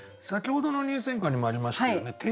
先ほどの入選歌にもありましたよね。